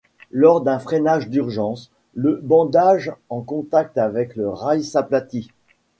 Lors d'un freinage d'urgence le bandage en contact avec le rail s'aplatit.